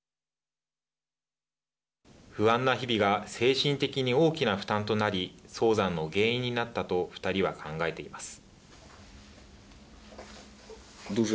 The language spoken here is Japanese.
不安な日々が精神的に大きな負担となり早産の原因になったと２人は考えています。